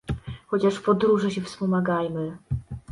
Chociaż w podróży się wspomagajmy.